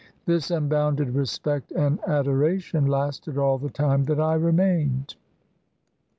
This unbounded respect and adoration lasted all the time that I remained.